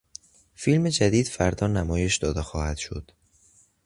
فیلم جدید فردا نمایش داده خواهدشد.